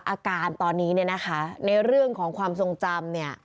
อาการตอนนี้ในเรื่องของความทรงจำ